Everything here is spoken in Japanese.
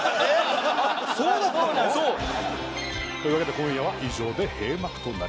そうだったの！？というわけで今夜は以上で閉幕となります。